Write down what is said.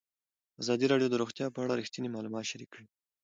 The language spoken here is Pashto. ازادي راډیو د روغتیا په اړه رښتیني معلومات شریک کړي.